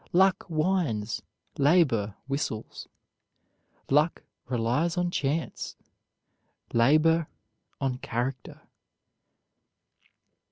Luck whines; labor whistles. Luck relies on chance; labor, on character."